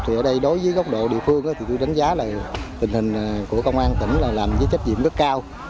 thì ở đây đối với góc độ địa phương thì tôi đánh giá là tình hình của công an tỉnh là làm với trách nhiệm rất cao